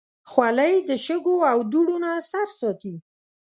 خولۍ د شګو او دوړو نه سر ساتي.